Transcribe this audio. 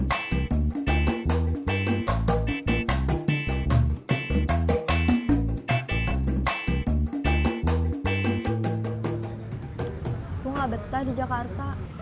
aku gak betah di jakarta